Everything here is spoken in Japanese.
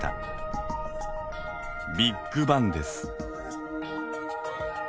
ビッグバンです。